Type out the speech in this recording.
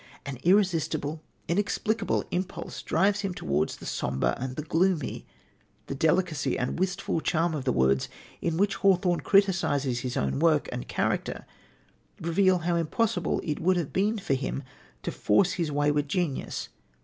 An irresistible, inexplicable impulse drives him towards the sombre and the gloomy. The delicacy and wistful charm of the words in which Hawthorne criticises his own work and character reveal how impossible it would have been for him to force his wayward genius.